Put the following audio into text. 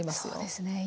そうですね。